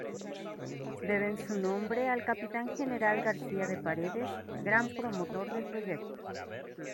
Deben su nombre al capitán general García de Paredes, gran promotor del proyecto.